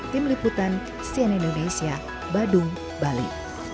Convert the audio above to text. tim liputan cnn indonesia badung bali